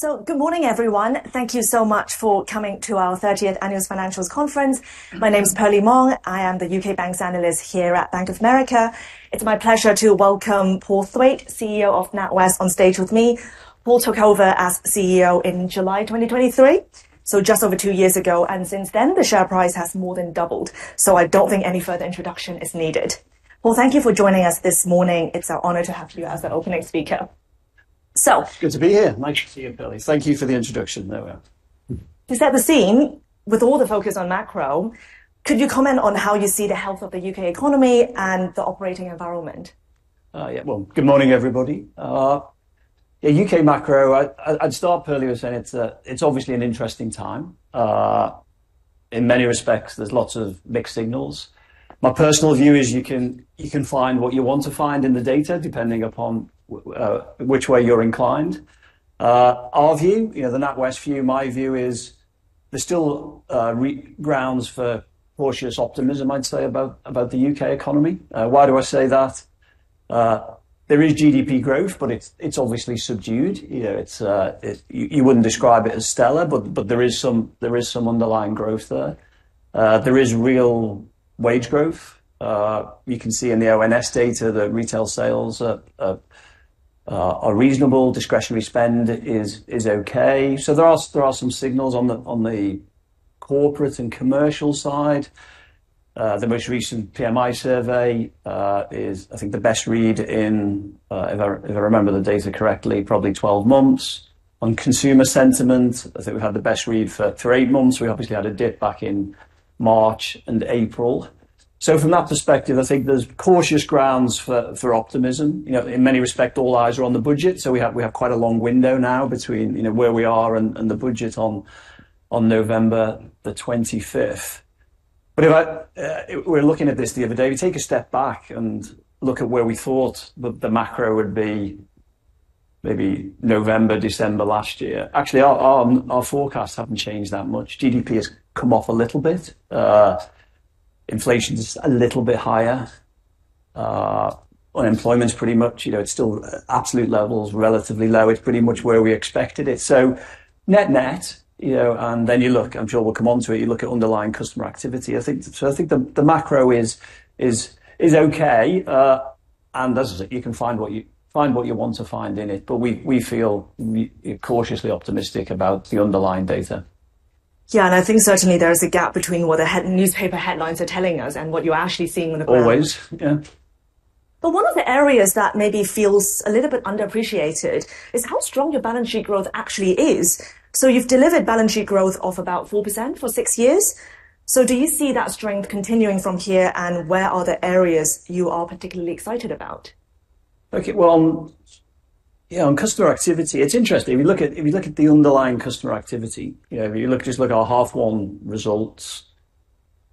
Good morning, everyone. Thank you so much for coming to our 30th Annual Financials Conference. My name is Perlie Mong. I am the U.K. Bank's Analyst here at Bank of America. It's my pleasure to welcome Paul Thwaite, CEO of NatWest, on stage with me. Paul took over as CEO in July 2023, just over two years ago, and since then, the share price has more than doubled. I don't think any further introduction is needed. Paul, thank you for joining us this morning. It's our honor to have you as an opening speaker. It's good to be here. Nice to see you, Perlie. Thank you for the introduction. To set the scene with all the focus on macro, could you comment on how you see the health of the U.K. economy and the operating environment? Good morning, everybody. U.K. macro, I'd start, Perlie, by saying it's obviously an interesting time. In many respects, there's lots of mixed signals. My personal view is you can find what you want to find in the data, depending upon which way you're inclined. Our view, the NatWest view, my view is there's still grounds for cautious optimism, I'd say, about the U.K. economy. Why do I say that? There is GDP growth, but it's obviously subdued. You wouldn't describe it as stellar, but there is some underlying growth there. There is real wage growth. You can see in the ONS data that retail sales are reasonable. Discretionary spend is okay. There are some signals on the corporate and commercial side. The most recent PMI survey is, I think, the best read in, if I remember the data correctly, probably 12 months. On consumer sentiment, I think we've had the best read for eight months. We obviously had a dip back in March and April. From that perspective, I think there's cautious grounds for optimism. In many respects, all eyes are on the budget. We have quite a long window now between where we are and the budget on November 25. If we're looking at this the other day, we take a step back and look at where we thought the macro would be maybe November, December last year. Actually, our forecasts haven't changed that much. GDP has come off a little bit. Inflation is a little bit higher. Unemployment's pretty much, it's still absolute levels, relatively low. It's pretty much where we expected it. Net-net, you look, and Phil, we'll come onto it, you look at underlying customer activity. I think the macro is okay. As I say, you can find what you want to find in it. We feel cautiously optimistic about the underlying data. Yeah, I think certainly there is a gap between what the newspaper headlines are telling us and what you're actually seeing on the ground. Always, yeah. One of the areas that maybe feels a little bit underappreciated is how strong your balance sheet growth actually is. You've delivered balance sheet growth of about 4% for six years. Do you see that strength continuing from here, and where are the areas you are particularly excited about? Okay, on customer activity, it's interesting. If you look at the underlying customer activity, you look at our half-one results,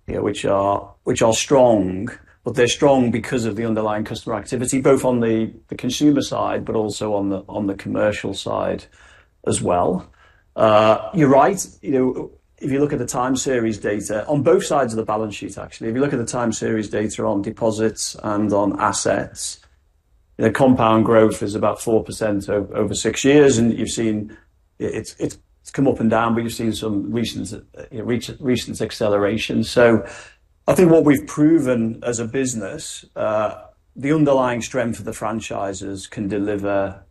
which are strong, but they're strong because of the underlying customer activity, both on the consumer side and on the commercial side as well. You're right. If you look at the time series data on both sides of the balance sheet, if you look at the time series data on deposits and on assets, compound growth is about 4% over six years. You've seen it come up and down, but you've seen some recent acceleration. I think what we've proven as a business, the underlying strength of the franchises can deliver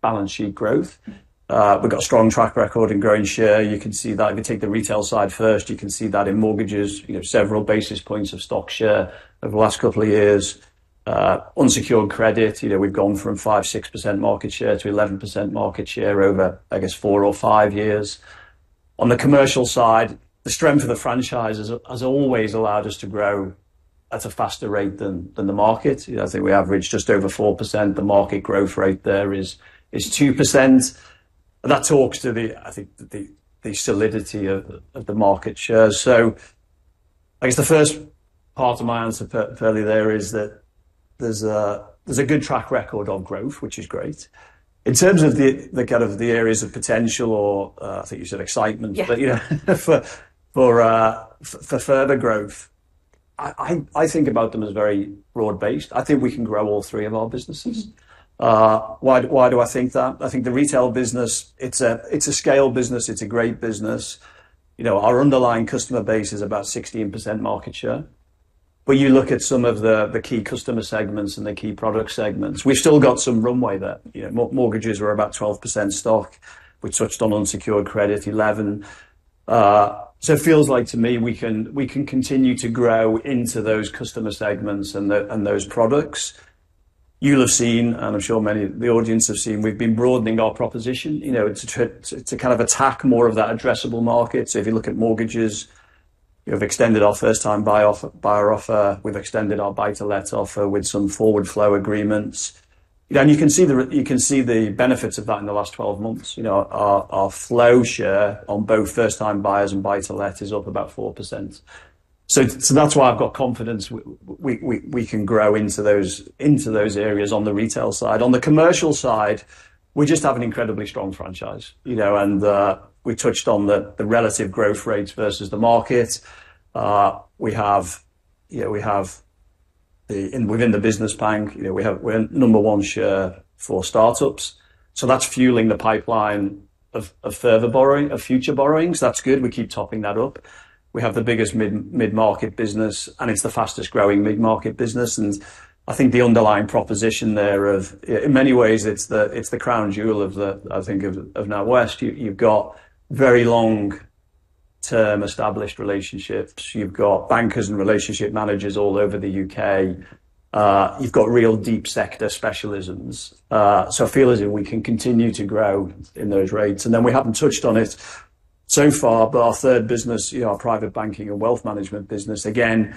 balance sheet growth. We've got a strong track record in growing share. You can see that if you take the retail side first, you can see that in mortgages, several basis points of stock share over the last couple of years. On unsecured credit, we've gone from 5%-6% market share to 11% market share over, I guess, four or five years. On the commercial side, the strength of the franchises has always allowed us to grow at a faster rate than the market. I think we average just over 4%. The market growth rate there is 2%. That talks to the solidity of the market shares. I guess the first part of my answer there is that there's a good track record on growth, which is great. In terms of the areas of potential, or I think you said excitement, for further growth, I think about them as very broad-based. I think we can grow all three of our businesses. Why do I think that? I think the Retail business, it's a scale business. It's a great business. Our underlying customer base is about 16% market share. You look at some of the key customer segments and the key product segments, we've still got some runway there. Mortgages were about 12% stock. We touched on unsecured credit, 11%. It feels like to me we can continue to grow into those customer segments and those products. You'll have seen, and I'm sure many of the audience have seen, we've been broadening our proposition to attack more of that addressable market. If you look at mortgages, we've extended our first-time buyer offer. We've extended our buy-to-let offer with some forward flow agreements. You can see the benefits of that in the last 12 months. You know, our flow share on both first-time buyers and buy-to-let is up about 4%. That's why I've got confidence we can grow into those areas on the retail side. On the commercial side, we just have an incredibly strong franchise, and we touched on the relative growth rates versus the market. We have, within the business bank, a number one share for startups. That's fueling the pipeline of further borrowing, of future borrowings. That's good. We keep topping that up. We have the biggest mid-market business, and it's the fastest growing mid-market business. I think the underlying proposition there, in many ways, it's the crown jewel of NatWest. You've got very long-term established relationships. You've got bankers and relationship managers all over the U.K. You've got real deep sector specialisms. I feel as if we can continue to grow in those rates. We haven't touched on it so far, but our third business, our Private Banking and Wealth Management business, again,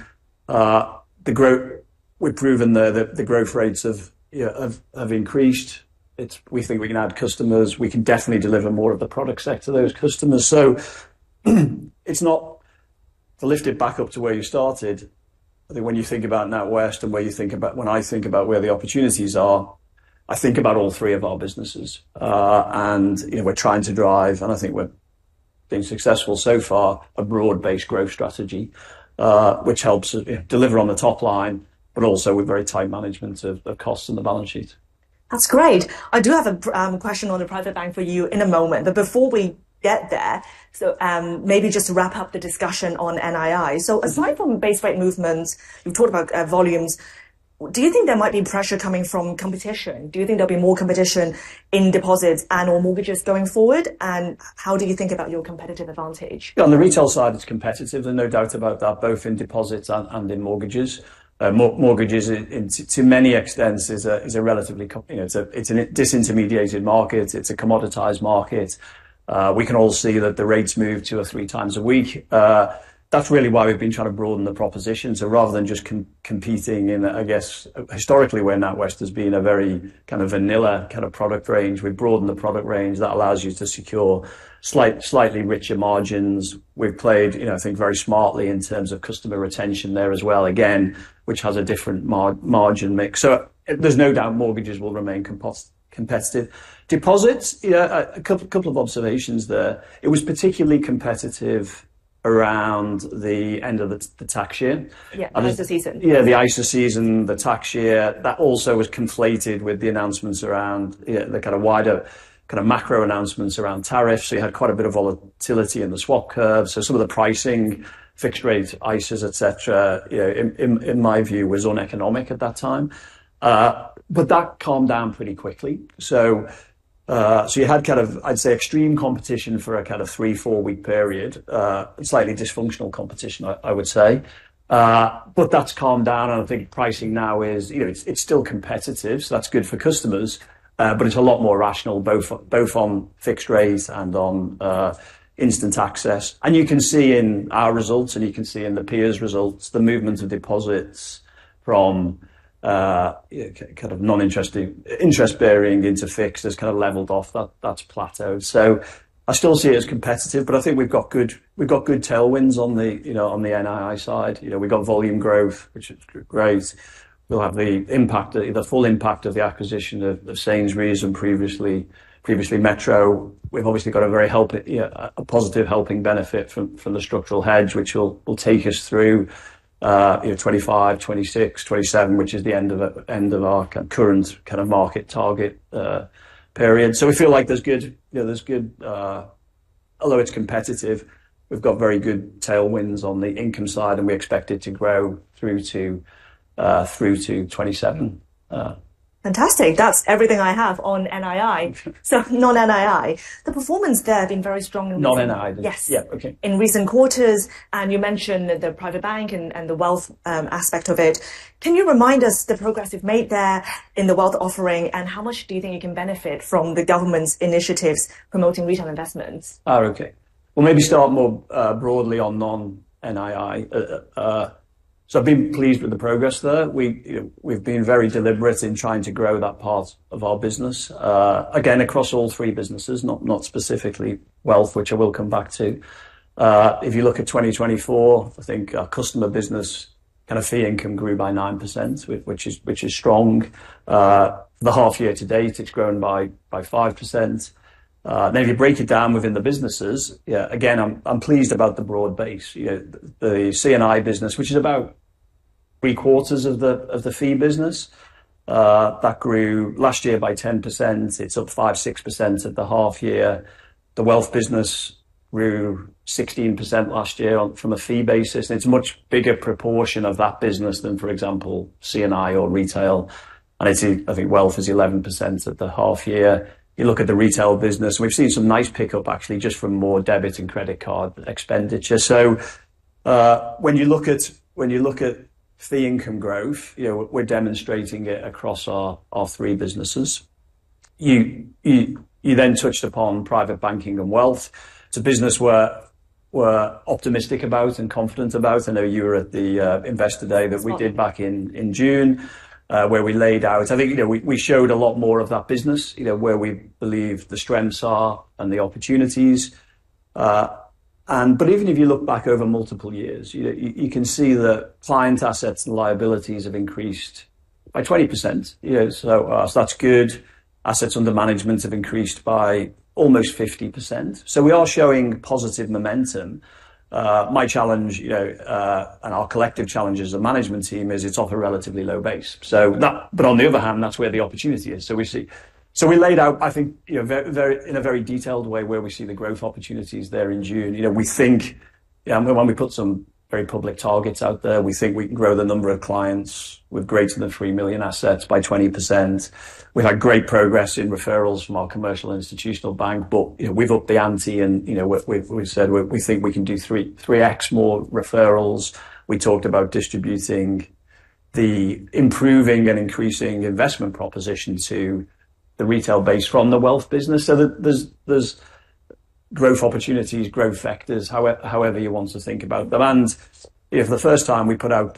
the growth, we've proven that the growth rates have increased. We think we can add customers. We can definitely deliver more of the product set to those customers. To lift it back up to where you started, I think when you think about NatWest and where you think about, when I think about where the opportunities are, I think about all three of our businesses. We're trying to drive, and I think we're being successful so far, a broad-based growth strategy, which helps deliver on the top line, but also with very tight management of the costs and the balance sheet. That's great. I do have a question on a Private Bank for you in a moment, but before we get there, maybe just to wrap up the discussion on NII. Aside from base rate movements, we've talked about volumes. Do you think there might be pressure coming from competition? Do you think there'll be more competition in deposits and/or mortgages going forward? How do you think about your competitive advantage? The retail side, it's competitive. There's no doubt about that, both in deposits and in mortgages. Mortgages, to many extents, is a relatively, you know, it's a disintermediated market. It's a commoditized market. We can all see that the rates move 2x or 3x a week. That's really why we've been trying to broaden the proposition. Rather than just competing in, I guess, historically where NatWest has been a very kind of vanilla kind of product range, we've broadened the product range. That allows you to secure slightly richer margins. We've played, you know, I think very smartly in terms of customer retention there as well, again, which has a different margin mix. There's no doubt mortgages will remain competitive. Deposits, you know, a couple of observations there. It was particularly competitive around the end of the tax year. Yeah, ISA season. Yeah, the ISA season, the tax year. That also was conflated with the announcements around the kind of wider macro announcements around tariffs. You had quite a bit of volatility in the swap curve. Some of the pricing, fixed rates, ISAs, et cetera, in my view, was uneconomic at that time, but that calmed down pretty quickly. You had, I'd say, extreme competition for a three, four-week period, slightly dysfunctional competition, I would say, but that's calmed down. I think pricing now is still competitive, so that's good for customers, but it's a lot more rational, both on fixed rates and on instant access. You can see in our results, and you can see in the peers' results, the movement of deposits from non-interest-bearing into fixed has kind of leveled off. That's plateaued. I still see it as competitive, but I think we've got good tailwinds on the NII side. We've got volume growth, which grows. We'll have the impact, the full impact of the acquisition of Sainsbury’s and previously Metro. We've obviously got a very positive helping benefit from the structural hedge, which will take us through 2025, 2026, 2027, which is the end of our current market target period. We feel like there's good, although it's competitive, we've got very good tailwinds on the income side, and we expect it to grow through to 2027. Fantastic. That's everything I have on NII. Non-NII, the performance there has been very strong. Non-NII? Yes. Okay. In recent quarters, and you mentioned the private bank and the wealth aspect of it. Can you remind us the progress you've made there in the wealth offering and how much do you think you can benefit from the government's initiatives promoting retail investments? Oh, okay. Maybe start more broadly on non-NII. I've been pleased with the progress there. We've been very deliberate in trying to grow that part of our business, again, across all three businesses, not specifically Wealth, which I will come back to. If you look at 2024, I think our customer business kind of fee income grew by 9%, which is strong. The half year to date, it's grown by 5%. If you break it down within the businesses, I'm pleased about the broad base. The C&I business, which is about three quarters of the fee business, grew last year by 10%. It's up 5%-6% at the half year. The wealth business grew 16% last year from a fee basis, and it's a much bigger proportion of that business than, for example, C&I or retail. I think wealth is 11% at the half year. You look at the Retail business, and we've seen some nice pickup, actually, just from more debit and credit card expenditure. When you look at fee income growth, we're demonstrating it across our three businesses. You then touched upon Private Banking and Wealth. It's a business we're optimistic about and confident about. I know you were at the Investor Day that we did back in June, where we laid out, I think, we showed a lot more of that business, where we believe the strengths are and the opportunities. Even if you look back over multiple years, you can see that client assets and liabilities have increased by 20%. That's good. Assets under management have increased by almost 50%. We are showing positive momentum. My challenge, and our collective challenge as a management team, is it's off a relatively low base. On the other hand, that's where the opportunity is. We laid out, I think, in a very detailed way where we see the growth opportunities there in June. We think, and we put some very public targets out there, we think we can grow the number of clients with greater than £3 million assets by 20%. We had great progress in referrals from our commercial institutional bank, but we've upped the ante and we've said we think we can do 3x more referrals. We talked about distributing the improving and increasing investment proposition to the retail base from the wealth business. There's growth opportunities, growth factors, however you want to think about them. For the first time, we put out,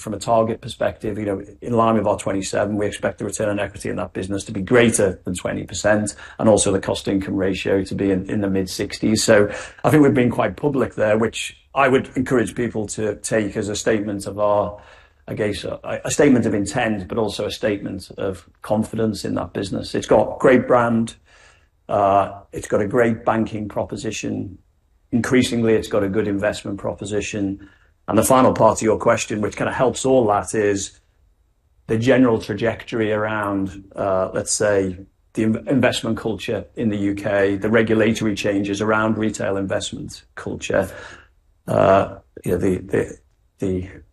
from a target perspective, in line with our 2027, we expect the return on equity in that business to be greater than 20% and also the cost income ratio to be in the mid-60%s. I think we've been quite public there, which I would encourage people to take as a statement of our, I guess, a statement of intent, but also a statement of confidence in that business. It's got a great brand. It's got a great banking proposition. Increasingly, it's got a good investment proposition. The final part of your question, which kind of helps all that, is the general trajectory around, let's say, the investment culture in the U.K., the regulatory changes around retail investment culture,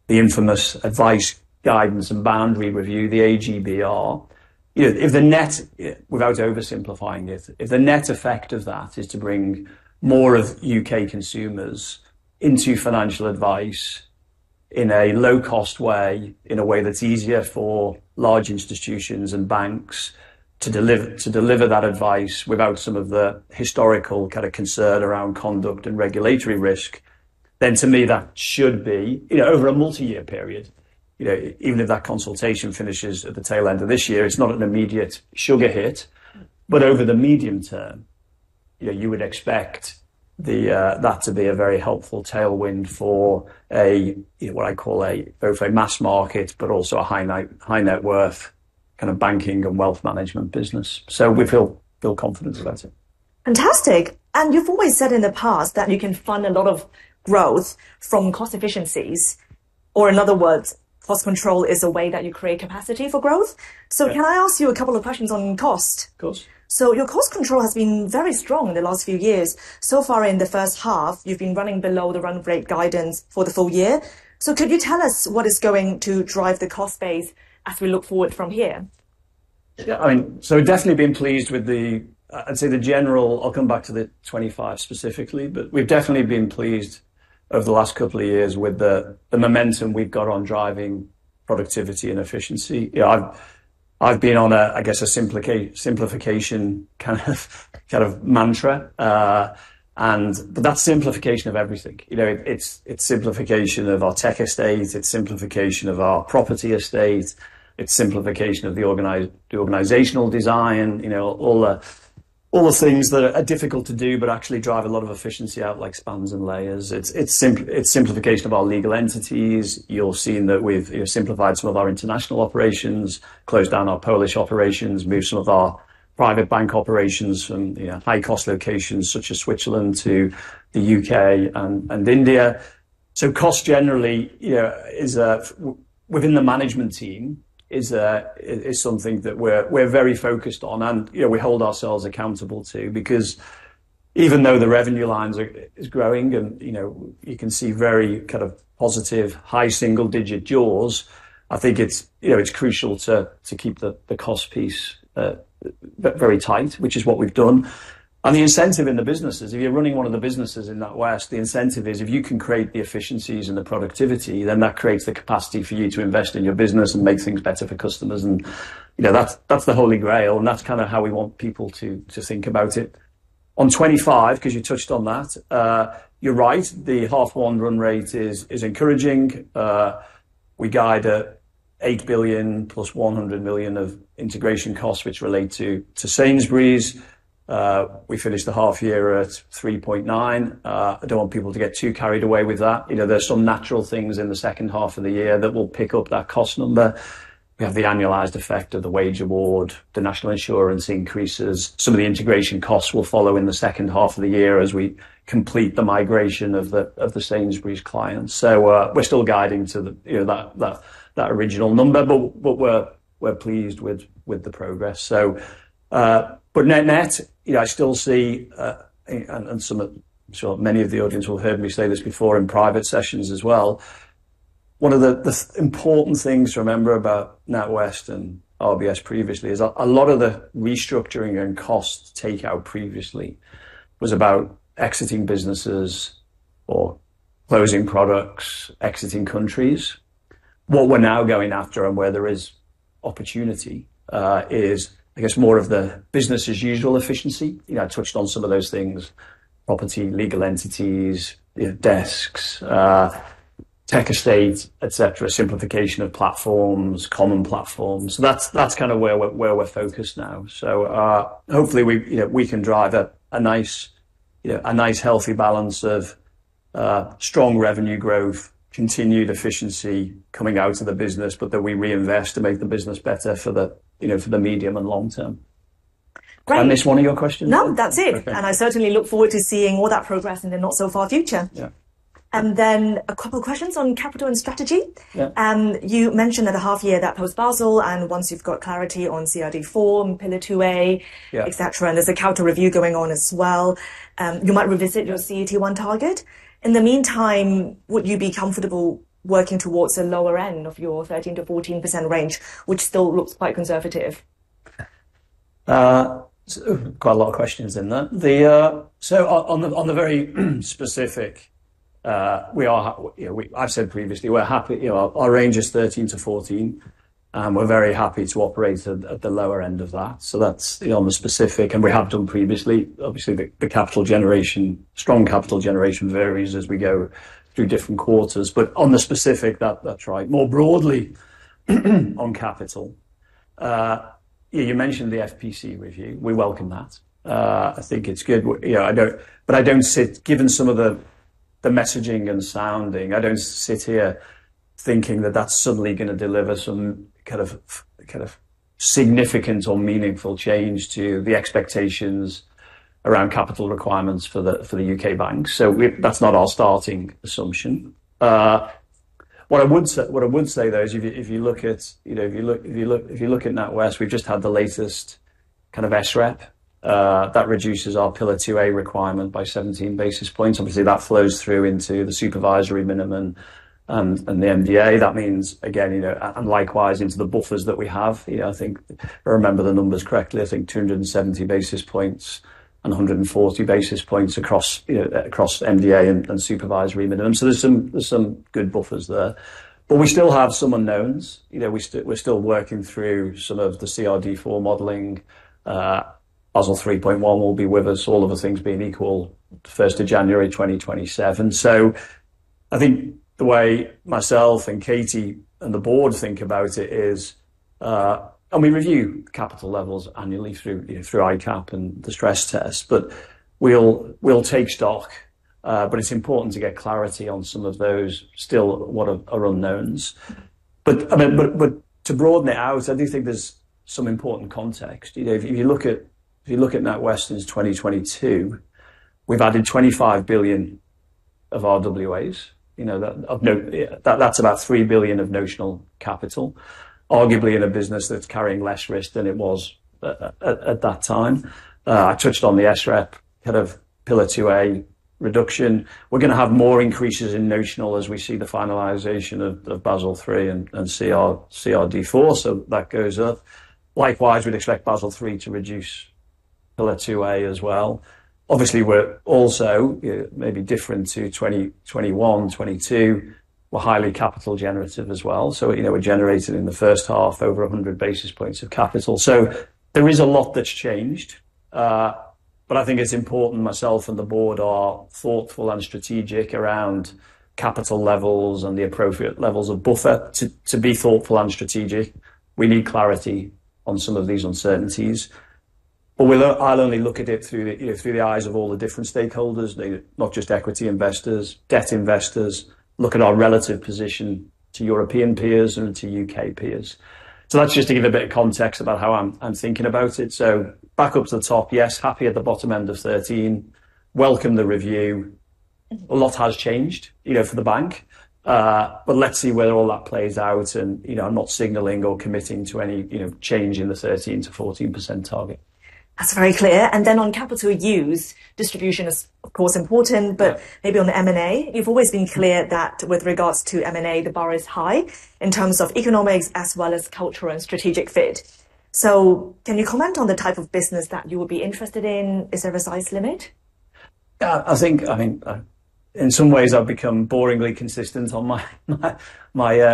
the infamous Advice Guidance Boundary Review, the AGBR. If the net, without oversimplifying it, if the net effect of that is to bring more of U.K. consumers into financial advice in a low-cost way, in a way that's easier for large institutions and banks to deliver that advice without some of the historical kind of concern around conduct and regulatory risk, then to me that should be, over a multi-year period, even if that consultation finishes at the tail end of this year, it's not an immediate sugar hit, but over the medium term, you would expect that to be a very helpful tailwind for what I call both a mass market, but also a high net worth kind of Banking and Wealth Management business. We feel confident about it. Fantastic. You have always said in the past that you can fund a lot of growth from cost efficiencies, or in other words, cost control is a way that you create capacity for growth. Can I ask you a couple of questions on cost? Of course. Your cost control has been very strong in the last few years. In the first half, you've been running below the run rate guidance for the full year. Could you tell us what is going to drive the cost base as we look forward from here? Yeah, I mean, we've definitely been pleased with the, I'd say the general, I'll come back to the 2025 specifically, but we've definitely been pleased over the last couple of years with the momentum we've got on driving productivity and efficiency. I've been on a, I guess, a simplification kind of mantra. That's simplification of everything. It's simplification of our tech estates, simplification of our property estates, simplification of the organizational design, all the things that are difficult to do but actually drive a lot of efficiency out, like spans and layers. It's simplification of our legal entities. You'll see that we've simplified some of our international operations, closed down our Polish operations, moved some of our private banking operations from high-cost locations such as Switzerland to the U.K. and India. Cost generally, within the management team, is something that we're very focused on and we hold ourselves accountable to because even though the revenue lines are growing and you can see very kind of positive high single-digit jaws, I think it's crucial to keep the cost piece very tight, which is what we've done. The incentive in the businesses, if you're running one of the businesses in NatWest, the incentive is if you can create the efficiencies and the productivity, then that creates the capacity for you to invest in your business and make things better for customers. That's the holy grail. That's kind of how we want people to think about it. On 2025, because you touched on that, you're right. The half-one run rate is encouraging. We guide at £8 billion + £100 million of integration costs, which relate to Sainsbury’s. We finished the half year at £3.9 billion. I don't want people to get too carried away with that. There are some natural things in the second half of the year that will pick up that cost number. We have the annualized effect of the wage award, the national insurance increases. Some of the integration costs will follow in the second half of the year as we complete the migration of the Sainsbury’s clients. We're still guiding to that original number, but we're pleased with the progress. Net-net, I still see, and many of the audience will hear me say this before in private sessions as well. One of the important things to remember about NatWest and RBS previously is a lot of the restructuring and cost takeout previously was about exiting businesses or closing products, exiting countries. What we're now going after and where there is opportunity is, I guess, more of the business as usual efficiency. I touched on some of those things: property, legal entities, desks, tech estates, simplification of platforms, common platforms. That's kind of where we're focused now. Hopefully, we can drive a nice, healthy balance of strong revenue growth, continued efficiency coming out of the business, but that we reinvest to make the business better for the medium and long term. Did I miss one of your questions? No, that's it. I certainly look forward to seeing all that progress in the not-so-far future. Yeah, a couple of questions on capital and strategy. You mentioned at the half year that post-Basel, and once you've got clarity on CRD4, Pillar 2A, et cetera, and there's a charter review going on as well, you might revisit your CET1 target. In the meantime, would you be comfortable working towards the lower end of your 13%-14% range, which still looks quite conservative? Quite a lot of questions in that. On the very specific, we are, you know, I've said previously, we're happy, you know, our range is 13%-14%, and we're very happy to operate at the lower end of that. That's, you know, on the specific, and we have done previously. Obviously, the capital generation, strong capital generation varies as we go through different quarters. On the specific, that's right. More broadly, on capital, you mentioned the FPC review. We welcome that. I think it's good. I don't, but I don't sit, given some of the messaging and sounding, I don't sit here thinking that that's suddenly going to deliver some kind of significant or meaningful change to the expectations around capital requirements for the U.K. banks. That's not our starting assumption. What I would say, though, is if you look at NatWest, we've just had the latest SREP that reduces our Pillar 2A requirement by 17 basis points. Obviously, that flows through into the supervisory minimum and the MDA. That means, again, and likewise into the buffers that we have. I think, if I remember the numbers correctly, I think 270 basis points and 140 basis points across MDA and supervisory minimum. There's some good buffers there. We still have some unknowns. We're still working through some of the CRD4 modeling. Basel 3.1 will be with us, all other things being equal, January 1, 2027. I think the way myself and Katie and the board think about it is, and we review capital levels annually through ICAAP and the stress test, we'll take stock. It's important to get clarity on some of those still what are unknowns. To broaden it out, I do think there's some important context. If you look at NatWest since 2022, we've added £25 billion of RWAs. That's about £3 billion of notional capital, arguably in a business that's carrying less risk than it was at that time. I touched on the SREP Pillar 2A reduction. We're going to have more increases in notional as we see the finalization of Basel 3 and CRD4. That goes up. Likewise, we'd expect Basel 3 to reduce Pillar 2A as well. Obviously, we're also, maybe different to 2021, 2022, we're highly capital generative as well. We're generating in the first half over 100 basis points of capital. There is a lot that's changed. I think it's important, myself and the board, are thoughtful and strategic around capital levels and the appropriate levels of buffer to be thoughtful and strategic. We need clarity on some of these uncertainties. I'll only look at it through the eyes of all the different stakeholders, not just equity investors, debt investors, look at our relative position to European peers and to U.K. peers. That's just to give a bit of context about how I'm thinking about it. Back up to the top, yes, happy at the bottom end of 13%. Welcome the review. A lot has changed, you know, for the bank. Let's see where all that plays out. I'm not signaling or committing to any, you know, change in the 13%-14% target. That's very clear. On capital use, distribution is, of course, important. On the M&A, you've always been clear that with regards to M&A, the bar is high in terms of economics as well as cultural and strategic fit. Can you comment on the type of business that you would be interested in? Is there a precise limit? I think in some ways, I've become boringly consistent on my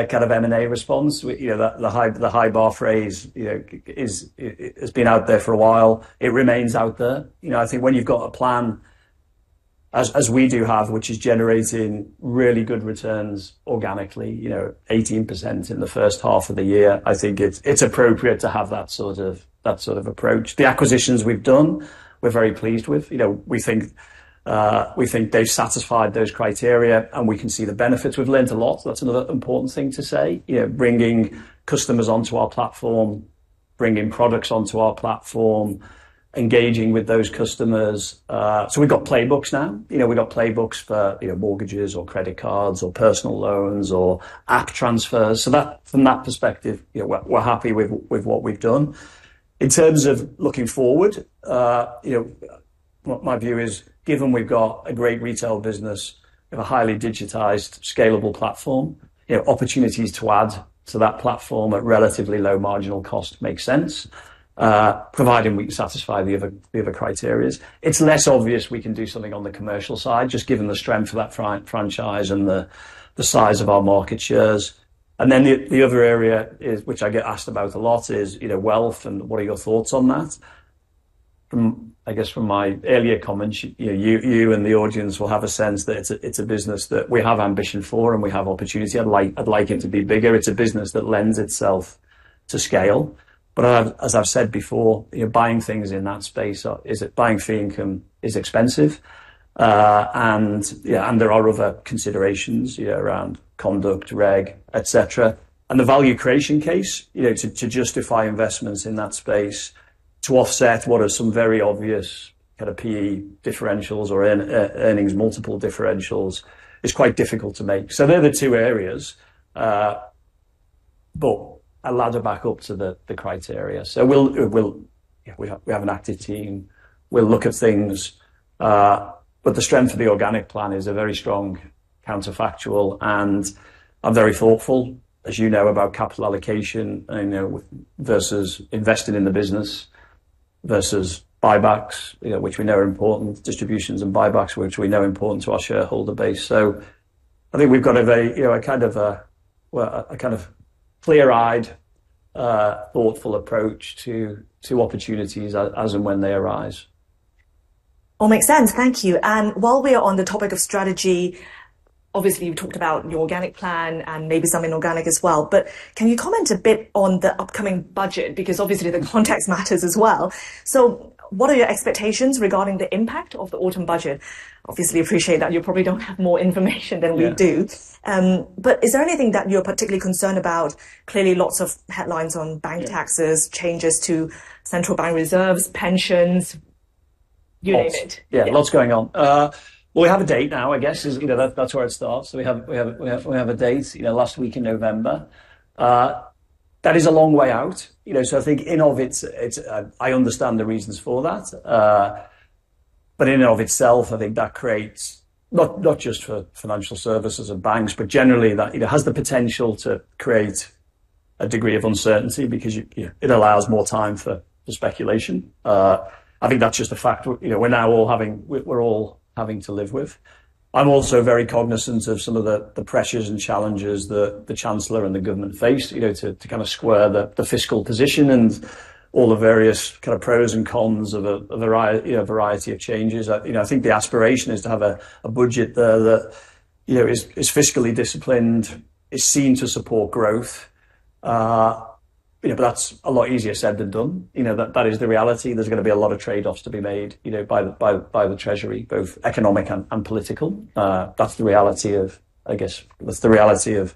kind of M&A response. You know, the high bar phrase has been out there for a while. It remains out there. I think when you've got a plan, as we do have, which is generating really good returns organically, you know, 18% in the first half of the year, I think it's appropriate to have that sort of approach. The acquisitions we've done, we're very pleased with. We think they've satisfied those criteria and we can see the benefits. We've learned a lot. That's another important thing to say. Bringing customers onto our platform, bringing products onto our platform, engaging with those customers, we've got playbooks now. We've got playbooks for mortgages or credit cards or personal loans or ACT transfers. From that perspective, we're happy with what we've done. In terms of looking forward, my view is given we've got a great retail business, we have a highly digitized, scalable platform. Opportunities to add to that platform at relatively low marginal cost make sense, providing we can satisfy the other criteria. It's less obvious we can do something on the commercial side, just given the strength of that franchise and the size of our market shares. The other area, which I get asked about a lot, is wealth and what are your thoughts on that? From my earlier comments, you and the audience will have a sense that it's a business that we have ambition for and we have opportunity. I'd like it to be bigger. It's a business that lends itself to scale. As I've said before, buying things in that space, buying fee income is expensive, and there are other considerations around conduct, reg, et cetera. The value creation case to justify investments in that space, to offset what are some very obvious kind of PE differentials or earnings multiple differentials, is quite difficult to make. They're the two areas, but I'll add it back up to the criteria. We have an active team. We'll look at things, but the strength of the organic plan is a very strong counterfactual and I'm very thoughtful, as you know, about capital allocation, versus investing in the business versus buybacks, which we know are important, distributions and buybacks, which we know are important to our shareholder base. I think we've got a very clear-eyed, thoughtful approach to opportunities as and when they arise. All makes sense. Thank you. While we are on the topic of strategy, obviously you talked about the organic plan and maybe something organic as well, can you comment a bit on the upcoming budget? Obviously the context matters as well. What are your expectations regarding the impact of the autumn budget? Obviously appreciate that you probably don't have more information than we do, but is there anything that you're particularly concerned about? Clearly, lots of headlines on bank taxes, changes to central bank reserves, pensions, you name it. Yeah, lots going on. We have a date now, I guess, you know, that's where it starts. We have a date, you know, last week in November. That is a long way out. I think in all of it, I understand the reasons for that. In and of itself, I think that creates, not just for financial services and banks, but generally, that has the potential to create a degree of uncertainty because it allows more time for speculation. I think that's just a factor we're now all having to live with. I'm also very cognizant of some of the pressures and challenges that the Chancellor and the government face, to kind of square the fiscal position and all the various pros and cons of a variety of changes. I think the aspiration is to have a budget there that is fiscally disciplined, is seen to support growth. That's a lot easier said than done. That is the reality. There's going to be a lot of trade-offs to be made by the Treasury, both economic and political. That's the reality of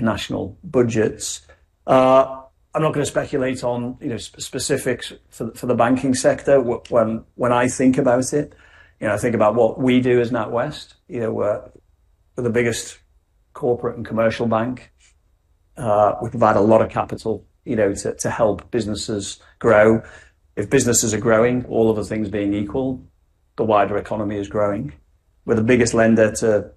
national budgets. I'm not going to speculate on specifics to the banking sector. When I think about it, I think about what we do as NatWest, we're the biggest corporate and commercial bank. We provide a lot of capital to help businesses grow. If businesses are growing, all other things being equal, the wider economy is growing. We're the biggest lender to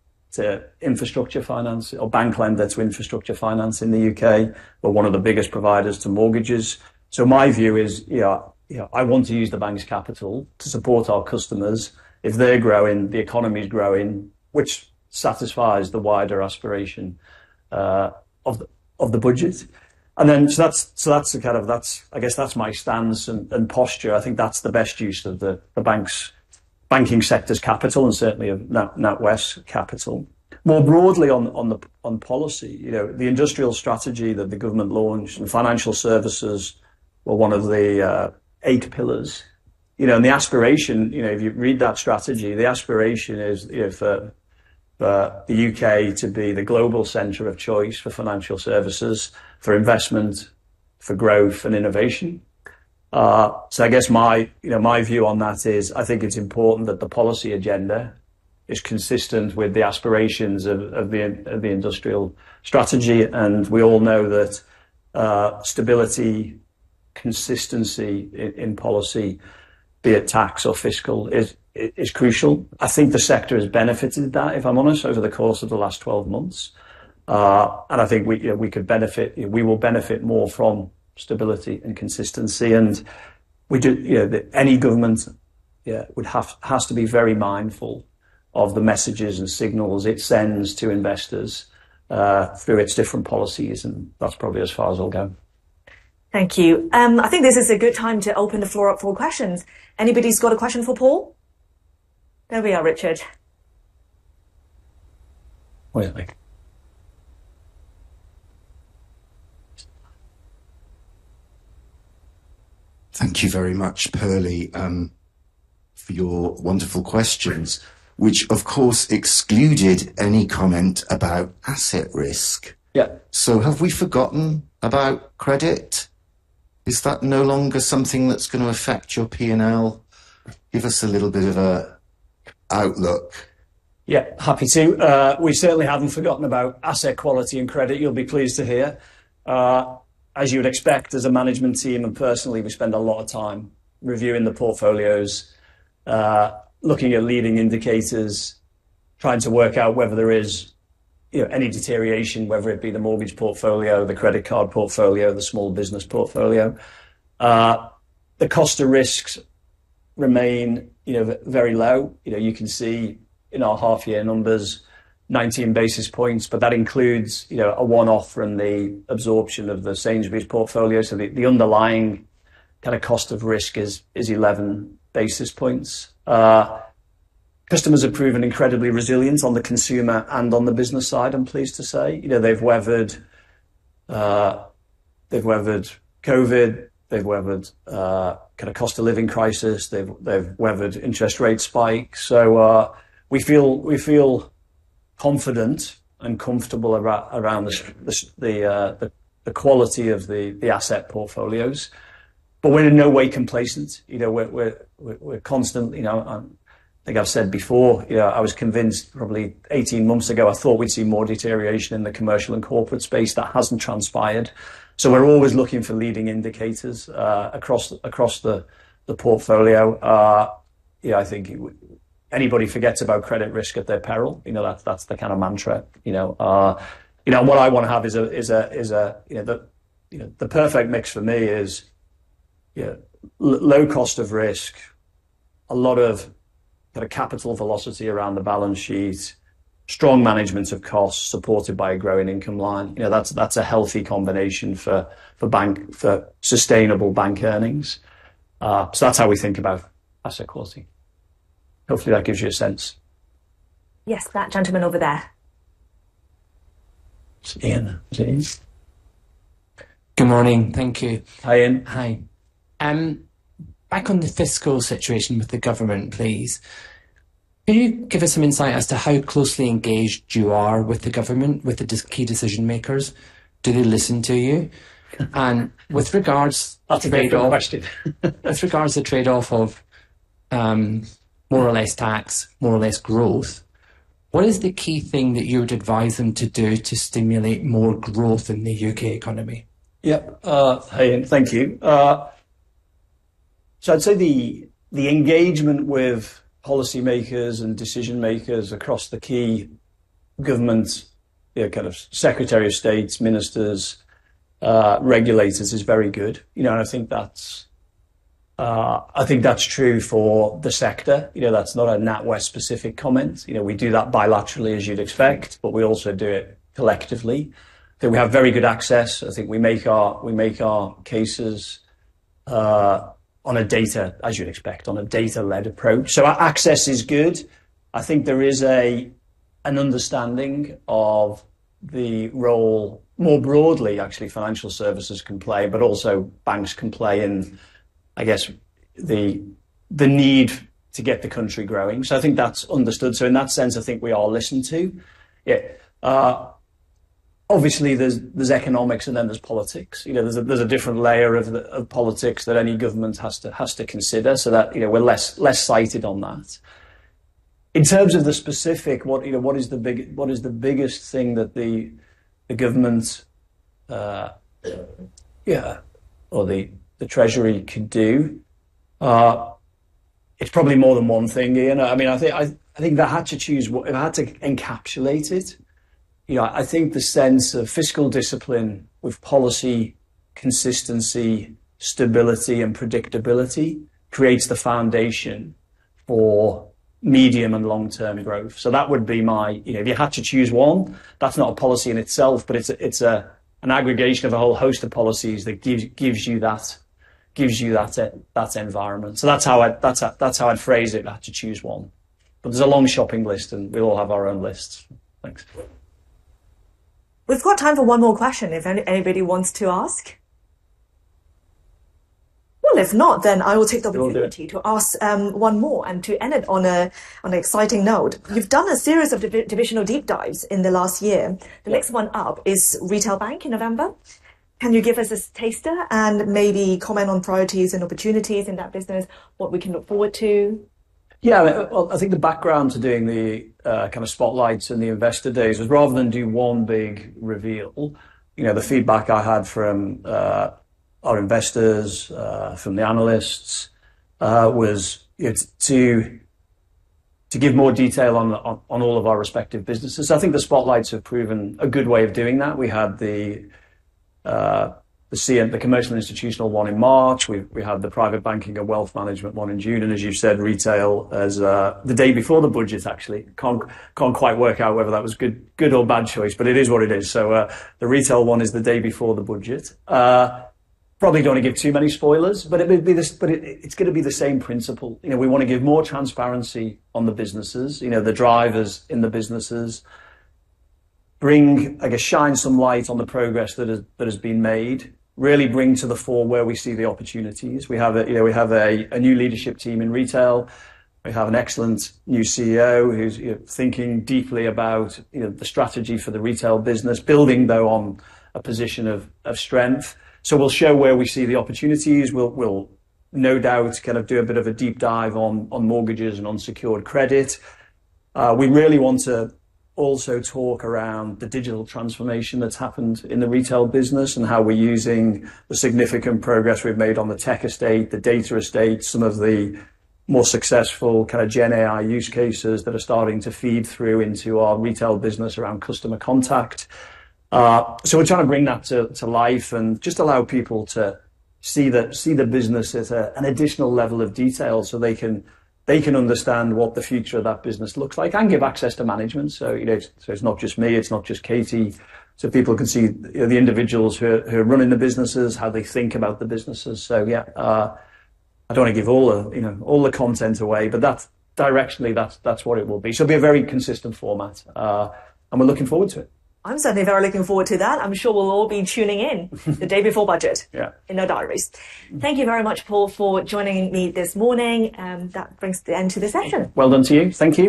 infrastructure finance or bank lender to infrastructure finance in the U.K. We're one of the biggest providers to mortgages. My view is, I want to use the bank's capital to support our customers. If they're growing, the economy's growing, which satisfies the wider aspiration of the budget. That's my stance and posture. I think that's the best use of the banking sector's capital and certainly of NatWest's capital. More broadly on policy, the industrial strategy that the government launched and financial services were one of the eight pillars. The aspiration, if you read that strategy, is for the U.K. to be the global center of choice for financial services, for investment, for growth, and innovation. I guess my view on that is I think it's important that the policy agenda is consistent with the aspirations of the industrial strategy. We all know that stability and consistency in policy, be it tax or fiscal, is crucial. I think the sector has benefited from that, if I'm honest, over the course of the last 12 months. I think we could benefit, we will benefit more from stability and consistency. Any government would have to be very mindful of the messages and signals it sends to investors through its different policies. That's probably as far as I'll go. Thank you. I think this is a good time to open the floor up for questions. Anybody's got a question for Paul? There we are, Richard. Wait a minute. Thank you very much, Perlie, for your wonderful questions, which of course excluded any comment about asset risk. Have we forgotten about credit? Is that no longer something that's going to affect your P&L? Give us a little bit of an outlook. Happy to. We certainly haven't forgotten about asset quality and credit, you'll be pleased to hear. As you would expect, as a management team and personally, we spend a lot of time reviewing the portfolios, looking at leading indicators, trying to work out whether there is any deterioration, whether it be the mortgage portfolio, the credit card portfolio, the small business portfolio. The cost of risk remains very low. You can see in our half-year numbers, 19 basis points, but that includes a one-off from the absorption of the Sainsbury’s portfolio. The underlying kind of cost of risk is 11 basis points. Customers have proven incredibly resilient on the consumer and on the business side, I'm pleased to say. They've weathered COVID, they've weathered kind of cost of living crisis, they've weathered interest rate spikes. We feel confident and comfortable around the quality of the asset portfolios. We're in no way complacent. We're constantly, I think I've said before, I was convinced probably 18 months ago, I thought we'd see more deterioration in the commercial and corporate space. That hasn't transpired. We're always looking for leading indicators across the portfolio. I think anybody forgets about credit risk at their peril. That's the kind of mantra, and what I want to have is the perfect mix for me: low cost of risk, a lot of capital velocity around the balance sheet, strong management of costs supported by a growing income line. That's a healthy combination for a bank, for sustainable bank earnings. That's how we think about asset quality. Hopefully that gives you a sense. Yes, that gentleman over there. Is it Ian? Yes, good morning. Thank you. Ian, hi. Hi. Back on the fiscal situation with the government, please. Can you give us some insight as to how closely engaged you are with the government, with the key decision makers? Do they listen to you? With regards to trade-off, with regards to trade-off of more or less tax, more or less growth, what is the key thing that you would advise them to do to stimulate more growth in the U.K. economy? Yep. Hi Ian, thank you. I'd say the engagement with policymakers and decision makers across the key governments, you know, Secretary of States, Ministers, Regulators, is very good. I think that's true for the sector. That's not a NatWest specific comment. We do that bilaterally, as you'd expect, but we also do it collectively. I think we have very good access. I think we make our cases, as you'd expect, on a data-led approach. Our access is good. I think there is an understanding of the role more broadly, actually, financial services can play, but also banks can play in the need to get the country growing. I think that's understood. In that sense, I think we are listened to. Obviously, there's economics and then there's politics. There's a different layer of politics that any government has to consider. We're less cited on that. In terms of the specific, what is the biggest thing that the governments or the Treasury could do? It's probably more than one thing, Ian. I think if I had to choose, if I had to encapsulate it? Yeah, I think the sense of fiscal discipline with policy consistency, stability, and predictability creates the foundation for medium and long-term growth. If you had to choose one, that's not a policy in itself, but it's an aggregation of a whole host of policies that gives you that environment. That's how I'd phrase it if I had to choose one. There's a long shopping list and we all have our own lists. Thanks. We've got time for one more question if anybody wants to ask. If not, then I will take the opportunity to ask one more and to end it on an exciting note. You've done a series of divisional deep dives in the last year. The next one up is Retail Bank in November. Can you give us a taster and maybe comment on priorities and opportunities in that business, what we can look forward to? Yeah, I think the background to doing the kind of spotlights and the Investor Day was rather than do one big reveal. The feedback I had from our investors, from the analysts, was to give more detail on all of our respective businesses. I think the spotlights have proven a good way of doing that. We had the commercial institutional one in March. We had the private banking and wealth management one in June. As you said, retail is the day before the budget, actually. I can't quite work out whether that was a good or bad choice, but it is what it is. The retail one is the day before the budget. Probably don't want to give too many spoilers, but it's going to be the same principle. We want to give more transparency on the businesses, the drivers in the businesses. Bring, I guess, shine some light on the progress that has been made. Really bring to the fore where we see the opportunities. We have a new leadership team in retail. We have an excellent new CEO who's thinking deeply about the strategy for the retail business, building though on a position of strength. We'll show where we see the opportunities. We'll no doubt kind of do a bit of a deep dive on mortgages and on unsecured credit. We really want to also talk around the digital transformation that's happened in the retail business and how we're using the significant progress we've made on the tech estate, the data estate, some of the more successful kind of GenAI use cases that are starting to feed through into our retail business around customer contact. We're trying to bring that to life and just allow people to see the businesses at an additional level of detail so they can understand what the future of that business looks like and give access to management. It's not just me, it's not just Katie. People can see the individuals who are running the businesses, how they think about the businesses. I don't want to give all the content away, but that's directionally, that's what it will be. It'll be a very consistent format and we're looking forward to it. I'm certainly very looking forward to that. I'm sure we'll all be tuning in the day before budget in our diaries. Thank you very much, Paul, for joining me this morning. That brings the end to the session. Thank you.